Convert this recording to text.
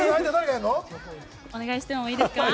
お願いしてもいいですか？